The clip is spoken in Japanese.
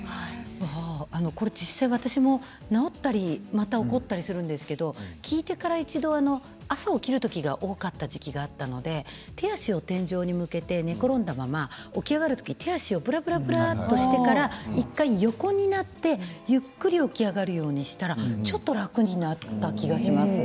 これ実際私も治ったりまた起こったりするんですけど聞いてから１度朝起きる時が多かった時期があったので手足を天井に向けて寝転んだまま起き上がる時手足をぶらぶらぶらっとしてから１回横になってゆっくり起き上がるようにしたらちょっと楽になった気がします。